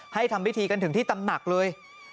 ทำพิธีกันถึงที่ตำหนักเลย